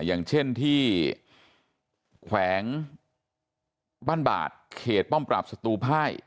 อย่างเช่นที่แขวงบ้านบาดเขตป้อมปราบศัตรูภาย